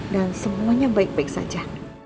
dan semuanya baik baik saja